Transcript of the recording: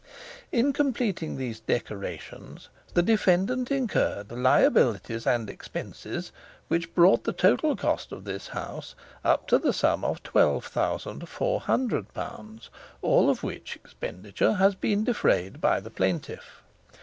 "In completing these decorations, the defendant incurred liabilities and expenses which brought the total cost of this house up to the sum of twelve thousand four hundred pounds, all of which expenditure has been defrayed by the plaintiff.